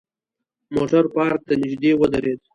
موټر پارک ته نژدې ودرید.